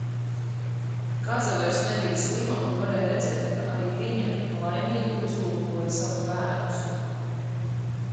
Kaza vairs nebija slima un varēja redzēt, ka arī viņa laimīgi uzlūkoja savus bērnus.